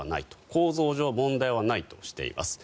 構造上問題はないとしています。